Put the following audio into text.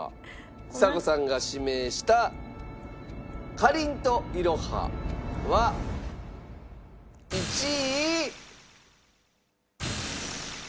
ちさ子さんが指名したかりんといろはは１位。